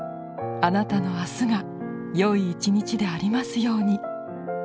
あなたの明日がよい一日でありますように。